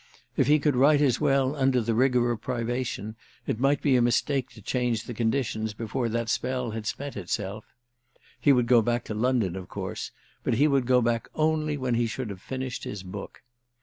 If he could write as well under the rigour of privation it might be a mistake to change the conditions before that spell had spent itself. He would go back to London of course, but he would go back only when he should have finished his book.